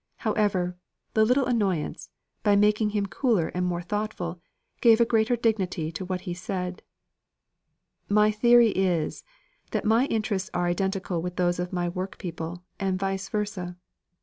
However, the little annoyance, by making him cooler and more thoughtful, gave a greater dignity to what he said: "My theory is, that my interests are identical with those of my workpeople, and vice versa.